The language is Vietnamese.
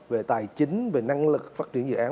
về tài chính về năng lực phát triển dự án